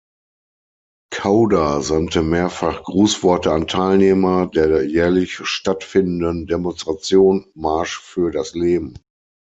Kauder sandte mehrfach Grußworte an Teilnehmer der jährlich stattfindenden Demonstration "Marsch für das Leben".